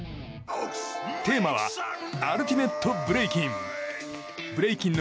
テーマはアルティメットブレイキン。